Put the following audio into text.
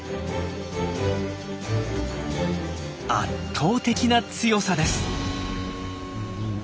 圧倒的な強さです。